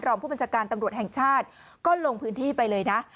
ผู้บัญชาการตำรวจแห่งชาติก็ลงพื้นที่ไปเลยนะ